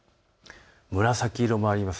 紫色もあります。